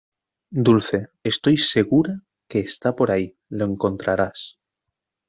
Dulce, estoy segura que está por ahí. Lo encontrarás .